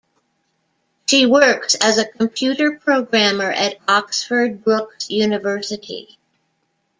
She works as a computer programmer at Oxford Brookes University.